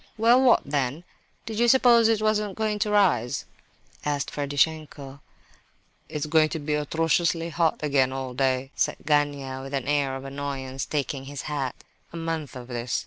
"Well, what then? Did you suppose it wasn't going to rise?" asked Ferdishenko. "It's going to be atrociously hot again all day," said Gania, with an air of annoyance, taking his hat. "A month of this...